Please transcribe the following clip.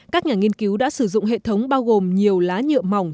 các nhà nghiên cứu đã sử dụng hệ thống bao gồm nhiều lá nhựa mỏng